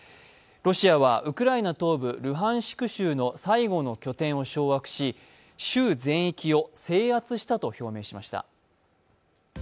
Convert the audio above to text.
ロシアはウクライナ東部ルハンシク州の最後の拠点を掌握し、州全域を制圧したと表明しました。